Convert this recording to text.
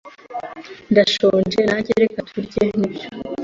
"Ndashonje." "Nanjye." "Reka turye." "Nibyo."